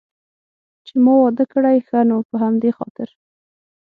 چې ما واده کړی، ښه نو په همدې خاطر.